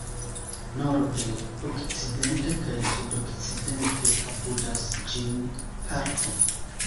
Norde, okcidente kaj sudokcidente apudas ĝin parko.